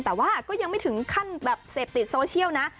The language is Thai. แต่ว่าก็ยังไม่ถึงขั้นแบบเสพติดโซเชียลนะ